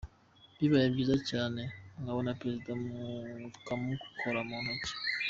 Bibaye byiza cyane, mwabona Perezida mukamukora mu ntoki!